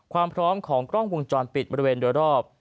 ความพร้อมของกล้องวงจรปิดบริเวณโดยรอบ